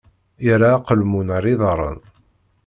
Yerra aqelmun ar iḍaṛṛen!